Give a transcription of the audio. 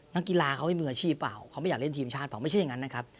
นักกีฬาเขาไม่มีอาชีพเปล่าเขาไม่อยากเล่นทีมชาติเปล่าไม่ใช่อย่างนั้นนะครับ